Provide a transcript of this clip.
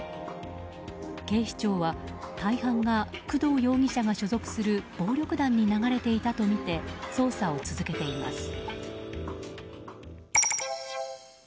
警視庁は、大半が工藤容疑者が所属する暴力団に流れていたとみて捜査を続けています。